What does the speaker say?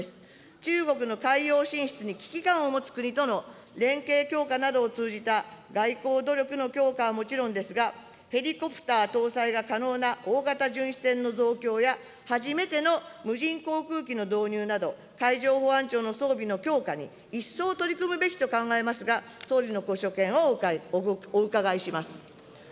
中国の海洋進出に危機感を持つ国との連携強化などを通じた外交努力の強化はもちろんですが、ヘリコプター搭載が可能な大型巡視船の増強や、初めての無人航空機の導入など、海上保安庁の装備の強化に、一層取り組むべきと考えますが、総理のご所見をお伺いします。